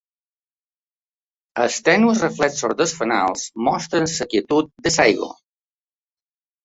Els tènues reflexos dels fanals mostren la quietud de l'aigua.